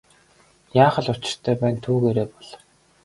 Яах л учиртай байна түүгээрээ бол.